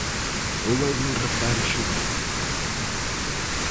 ¿Houbo algún reparo xurídico?